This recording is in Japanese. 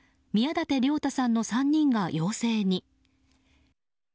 宮舘涼太さんの３人が陽性に。